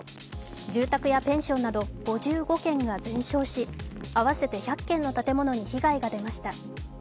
住宅やペンションなど５５軒が全焼し合わせて１００軒の建物に被害が出ました。